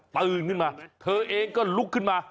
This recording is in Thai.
ตื่นขึ้นมาเธอเองก็ลุกขึ้นมา